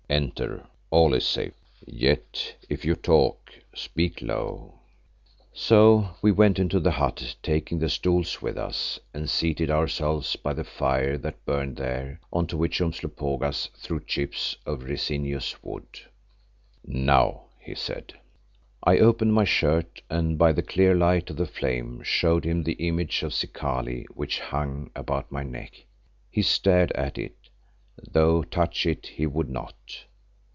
Enter. All is safe. Yet if you talk, speak low." So we went into the hut taking the stools with us, and seated ourselves by the fire that burned there on to which Umslopogaas threw chips of resinous wood. "Now," he said. I opened my shirt and by the clear light of the flame showed him the image of Zikali which hung about my neck. He stared at it, though touch it he would not.